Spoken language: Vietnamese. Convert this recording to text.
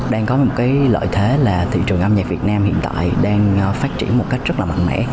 đang có một cái lợi thế là thị trường âm nhạc việt nam hiện tại đang phát triển một cách rất là mạnh mẽ